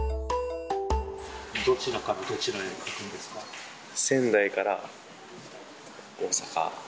どちらからどちらへ行くんで仙台から大阪。